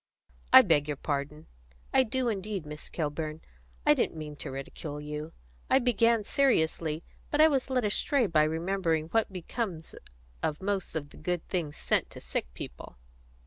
"I beg your pardon I do indeed, Miss Kilburn. I didn't mean to ridicule you. I began seriously, but I was led astray by remembering what becomes of most of the good things sent to sick people."